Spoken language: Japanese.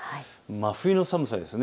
真冬の寒さです。